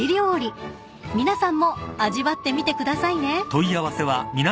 ［皆さんも味わってみてくださいね］